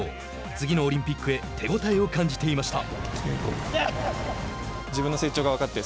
次のオリンピックへ手応えを感じていました。